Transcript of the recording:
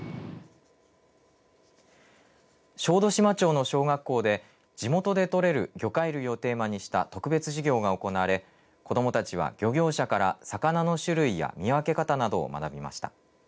小豆島町の小学校で地元で取れる魚介類をテーマにした特別授業が行われ子どもたちは漁業者から魚の種類や見分け方などを学びました。